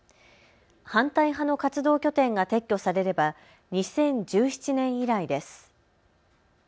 反対派の活動拠点が撤去されれば２０１７年以来です。